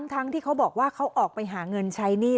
ทั้งที่เขาบอกว่าเขาออกไปหาเงินใช้หนี้